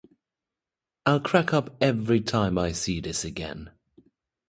I still crack up every time I see this again.